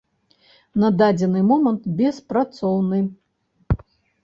На дадзены момант беспрацоўны.